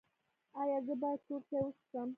ایا زه باید تور چای وڅښم؟